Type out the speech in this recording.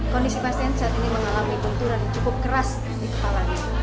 kondisi pasien saat ini mengalami benturan cukup keras di kepalanya